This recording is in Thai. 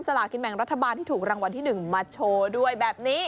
ลากินแบ่งรัฐบาลที่ถูกรางวัลที่๑มาโชว์ด้วยแบบนี้